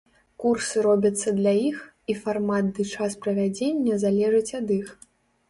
Курсы робяцца для іх, і фармат ды час правядзення залежыць ад іх.